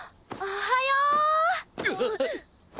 おはよー！